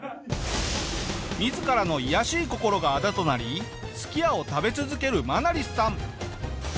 自らの卑しい心があだとなりすき家を食べ続けるマナリスさん。